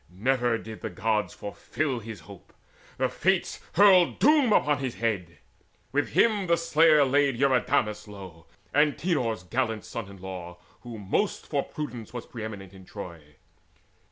Never did the Gods fulfil His hope: the Fates hurled doom upon his head. With him the slayer laid Eurydamas low, Antenor's gallant son in law, who most For prudence was pre eminent in Troy.